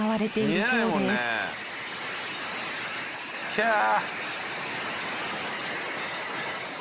キャー。